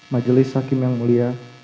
majelis hakim yang mulia